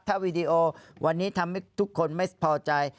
วีดีโอวันนี้ทำให้ทุกคนไม่พอใจ